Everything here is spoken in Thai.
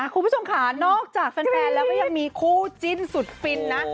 คุณผู้ชมค่ะนอกจากแฟนแล้วก็ยังมีคู่จิ้นสุดฟินนะ